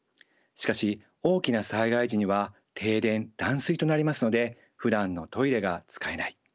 しかし大きな災害時には停電断水となりますのでふだんのトイレが使えない。